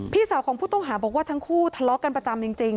พี่สาวของผู้ต้องหาบอกว่าทั้งคู่ทะเลาะกันประจำจริง